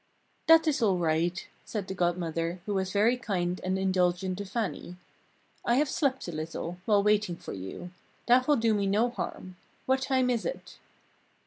"That is all right," said the Godmother, who was very kind and indulgent to Fannie. "I have slept a little, while waiting for you. That will do me no harm. What time is it?"